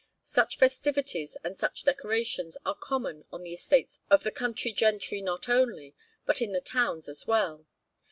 Such festivities and such decorations are common on the estates of the country gentry not only, but in the towns as well.